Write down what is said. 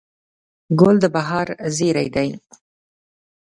ګل د بهار زېری دی.